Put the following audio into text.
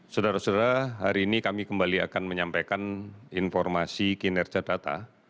saudara saudara hari ini kami kembali akan menyampaikan informasi kinerja data